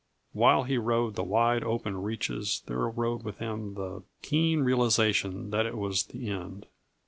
While he rode the wide open reaches, there rode with him the keen realization that it was the end.